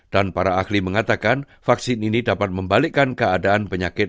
dan para ahli mengatakan vaksin ini dapat membalikkan keadaan penyakit